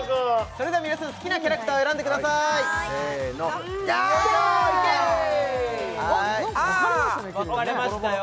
それでは皆さん好きなキャラクターを選んでくださいせーのよいしょーあっ何か分かれましたね